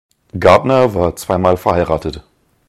Gardner war zweimal verheiratet.